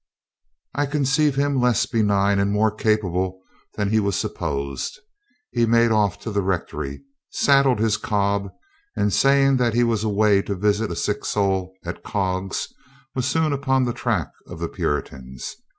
I conceive him less benign and more capable than he was supposed. He made off to the rectory, sad dled his cob and saying that he was away to visit a sick soul at Cogges, was soon upon the track of the Puritans.